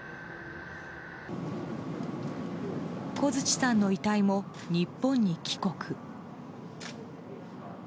小槌さんの遺体も日本に帰国。